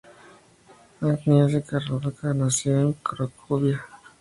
Agnieszka Radwańska nació en Cracovia.